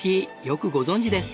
よくご存じです。